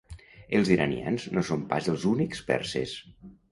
Els iranians no són pas els únics perses.